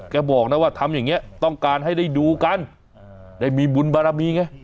บอกนะว่าทำอย่างนี้ต้องการให้ได้ดูกันได้มีบุญบารมีไง